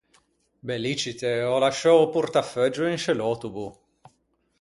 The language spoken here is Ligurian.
Bellicite, ò lasciou o portafeuggio in sce l’autobo!